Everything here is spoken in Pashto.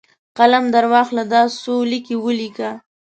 قلم درواخله ، دا څو لیکي ولیکه!